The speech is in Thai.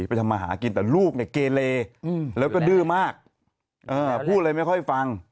ทำมาหากินแต่ลูกเนี่ยเกเลแล้วก็ดื้อมากพูดอะไรไม่ค่อยฟัง